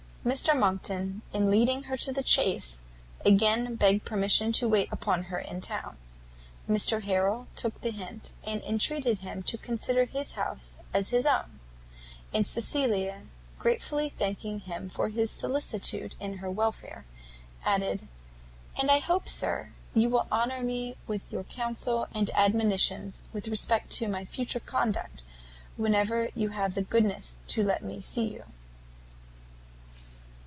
Mr Monckton, in leading her to the chaise, again begged permission to wait upon her in town: Mr Harrel took the hint, and entreated him to consider his house as his own; and Cecilia, gratefully thanking him for his solicitude in her welfare, added, "And I hope, sir, you will honour me with your counsel and admonitions with respect to my future conduct, whenever you have the goodness to let me see you."